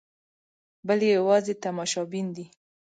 بل یې یوازې تماشبین دی.